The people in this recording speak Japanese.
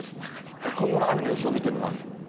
今後の雨の予報を見てみます。